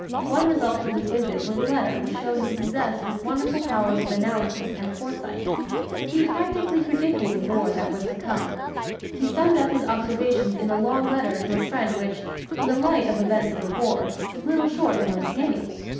One result of this visit was a letter which showed him possessed with wonderful powers of analysis and foresight. He practically predicted the war that was to come. He summed up his observations in a long letter to a friend which, in the light of events of the War, is little short of uncanny.